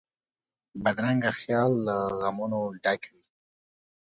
بدرنګه خیال له غمونو ډک وي